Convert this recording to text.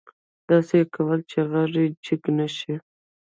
داسې يې کول چې غږ يې جګ نه شي.